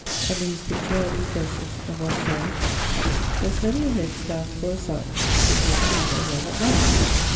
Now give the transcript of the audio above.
Under his picture are these verses; on one side: There's many a head stands for a signe. Then, gentle reader, why not mine?